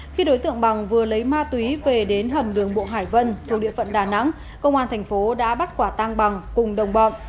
khi đối tượng bằng vừa lấy ma túy về đến hầm đường bộ hải vân thủ địa phận đà nẵng công an tp đã bắt quả tàng bằng cùng đồng bọn